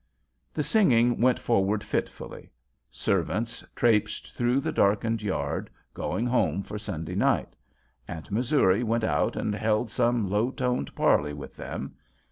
The singing went forward fitfully. Servants traipsed through the darkened yard, going home for Sunday night. Aunt Missouri went out and held some low toned parley with them.